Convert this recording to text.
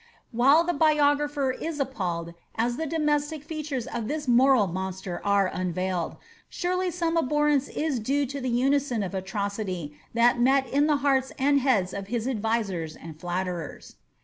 While the biographer is appalled as the domestic features of this moral monster are unveiled, surely some abhorrence is due to the unison of alrocity that met in the hearts and heads of his advisers and flatterers.